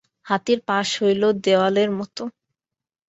হাতীর পাশ হইল দেওয়ালের মত।